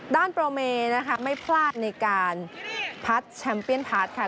ด้านโปรเมนะคะไม่พลาดในการพัดแชมป์เปียนพัดค่ะ